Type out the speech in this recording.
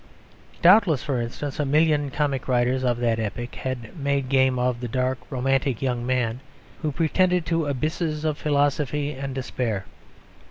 Doubtless, for instance, a million comic writers of that epoch had made game of the dark, romantic young man who pretended to abysses of philosophy and despair.